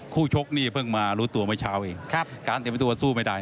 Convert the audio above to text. คู่ชกนี่เพิ่งมารู้ตัวไม่เช้าแต่การเตรียมตัวสู้ไม่ได้